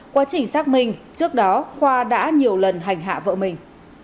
quá trình xác minh trước đó khoa đã nhiều lần hành hạ vợ mình